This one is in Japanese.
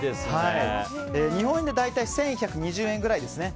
日本円で大体１１２０円ぐらいです。